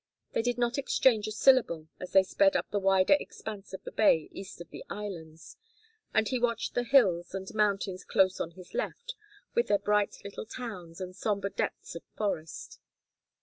They did not exchange a syllable as they sped up the wider expanse of the bay east of the Islands, and he watched the hills and mountains close on his left, with their bright little towns and sombre depths of forest.